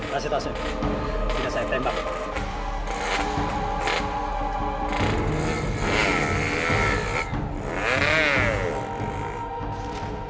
tapi kalau zaman lama cer symbol ditemukan ya tuhan